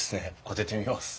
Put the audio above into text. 当ててみます。